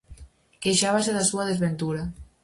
Queixábase da súa desventura.